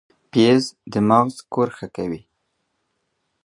پیاز د مغز کار ښه کوي